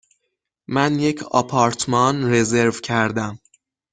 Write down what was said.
من یک آپارتمان رزرو کردم.